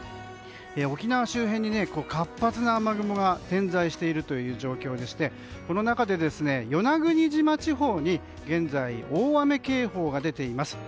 沖縄周辺に活発な雨雲が点在している状況でして与那国島地方に現在大雨警報が出ています。